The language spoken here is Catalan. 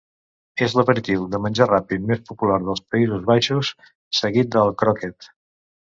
És l'aperitiu de menjar ràpid més popular dels Països Baixos, seguit del "kroket".